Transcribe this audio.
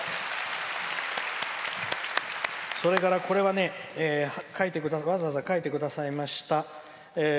それから、これはねわざわざ書いてくださいました。